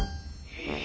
え。